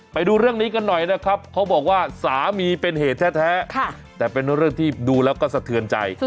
ไปดูเรื่องนี้กันหน่อยนะครับเขาบอกว่าสามีเป็นเหตุแท้แต่เป็นเรื่องที่ดูแล้วก็สะเทือนใจ